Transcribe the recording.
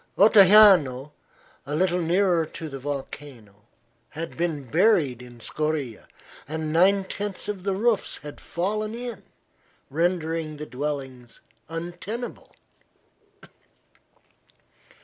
Ottajano, a little nearer to the volcano, had been buried in scoria, and nine tenths of the roofs had fallen in, rendering the dwellings untenable.